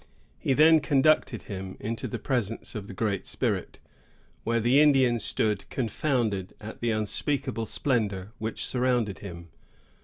He then conducted him into the presence of the Great Spirit, where the Indian stood confounded at the unspeakable splendor which surrounded him.